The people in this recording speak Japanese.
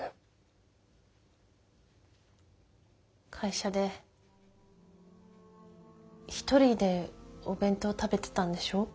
会社で一人でお弁当食べてたんでしょ？